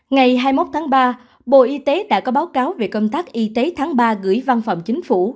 ngày hai mươi một tháng ba bộ y tế đã có báo cáo về công tác y tế tháng ba gửi văn phòng chính phủ